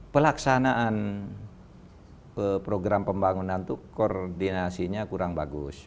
pelaksanaan program pembangunan itu koordinasinya kurang bagus